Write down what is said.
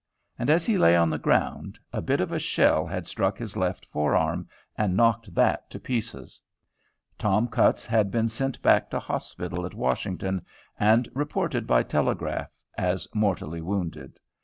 And, as he lay on the ground, a bit of a shell had struck his left forearm and knocked that to pieces. Tom Cutts had been sent back to hospital at Washington, and reported by telegraph as mortally wounded.